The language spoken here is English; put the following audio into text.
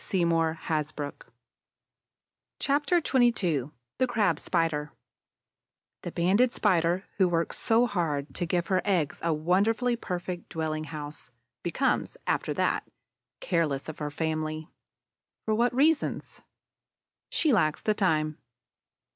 CHAPTER XXII THE CRAB SPIDER The Banded Spider, who works so hard to give her eggs a wonderfully perfect dwelling house, becomes, after that, careless of her family. For what reasons? She lacks the time.